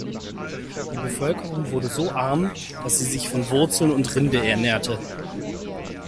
Die Bevölkerung wurde so arm, dass sie sich von Wurzeln und Rinde ernährte.